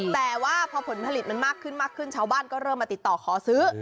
แต่ว่าพอผลผลิตมักขึ้นชาวบ้านก็เริ่มมาติดต่อขอซื้อ